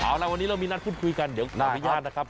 เอาล่ะวันนี้เรามีนัดพูดคุยกันเดี๋ยวขออนุญาตนะครับ